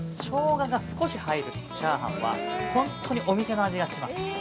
しょうがが少し入る炒飯は、本当にお店の味がします。